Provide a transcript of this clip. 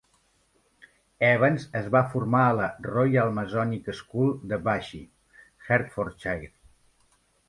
Evans es va formar a la Royal Masonic School de Bushey, Hertfordshire.